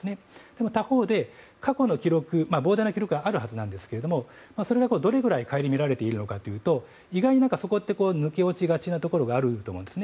でも他方で、過去の記録膨大な記録があるはずなんですがそれが、どれくらい顧みられているのかというと意外にそこって抜け落ちがちなところもあると思うんです。